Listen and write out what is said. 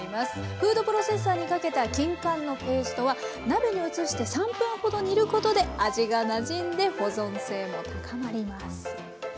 フードプロセッサーにかけたきんかんのペーストは鍋に移して３分ほど煮ることで味がなじんで保存性も高まります。